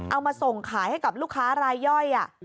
เอามาส่งขายให้กับลูกค้ารายย่อย